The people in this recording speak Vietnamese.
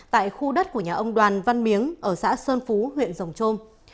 tại khu đất của nhà ông đoàn văn miếng ở xã sơn phú huyện rồng trôm